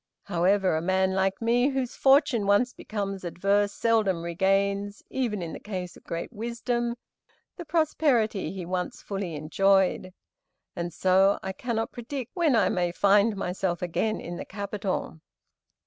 However, a man like me, whose fortune once becomes adverse seldom regains, even in the case of great wisdom, the prosperity he once fully enjoyed, and so I cannot predict when I may find myself again in the capital."